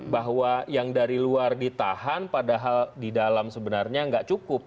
bahwa yang dari luar ditahan padahal di dalam sebenarnya nggak cukup